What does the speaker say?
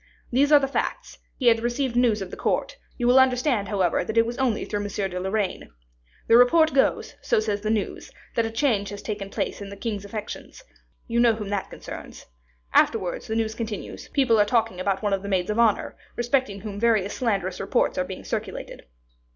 These are the facts: he had received news of the court; you will understand, however, that it was only through M. de Lorraine. The report goes, so says the news, that a change has taken place in the king's affections. You know whom that concerns. Afterwards, the news continues, people are talking about one of the maids of honor, respecting whom various slanderous reports are being circulated.